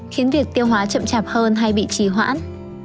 khiến việc tiêu hóa chậm chạp hơn hay bị trì hoãn